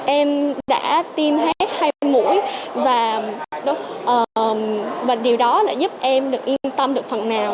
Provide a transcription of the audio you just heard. em đã tiêm hết hai mũi và điều đó đã giúp em được yên tâm được phần nào